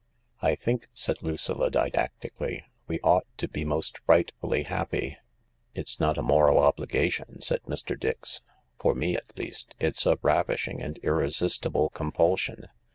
"I think," said Lucilla didactically, "we ought to most frightfully happy." " It's not a moral obligation," said Mr. Dix, "for me, at least. It's a ravishing and irresistible compulsion.